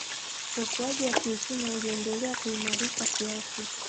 Ukuaji wa kiuchumi uliendelea kuimarika kiasi